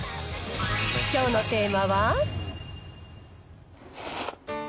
きょうのテーマは。